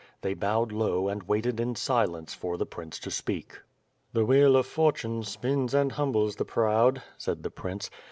They bowed low and waited in silence for the prince to speak. "The wheel of fortune spins and humbles the proud," said the prince.